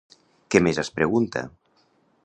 Què més es pregunta?